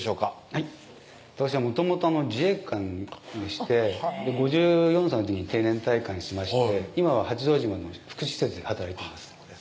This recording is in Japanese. はい私はもともと自衛官でして５４歳の時に定年退官しまして今は八丈島の福祉施設で働いてます